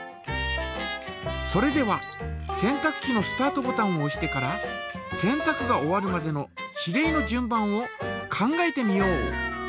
それでは洗濯機のスタートボタンをおしてから洗濯が終わるまでの指令の順番を考えてみよう。